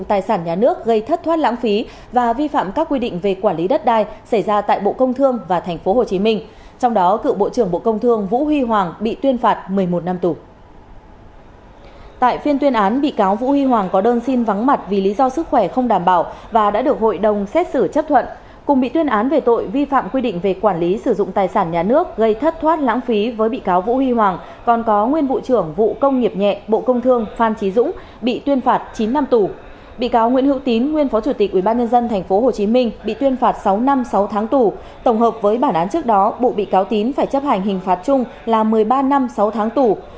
tổng hợp với bản án trước đó bộ bị cáo tín phải chấp hành hình phạt chung là một mươi ba năm sáu tháng tù